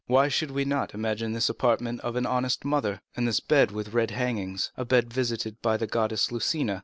Why should we not imagine this the apartment of an honest mother? And this bed with red hangings, a bed visited by the goddess Lucina?